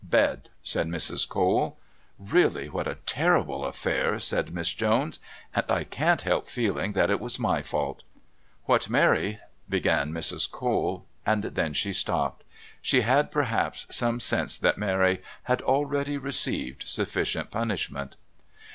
"Bed," said Mrs. Cole. "Really, what a terrible affair," said Miss Jones. "And I can't help feeling that it was my fault." "What Mary " began Mrs. Cole. And then she stopped. She had perhaps some sense that Mary had already received sufficient punishment.